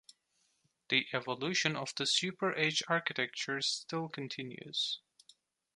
The evolution of the SuperH architecture still continues.